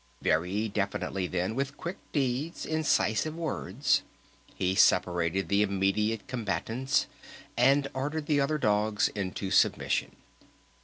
Very definitely then, with quick deeds, incisive words, he separated the immediate combatants, and ordered the other dogs into submission.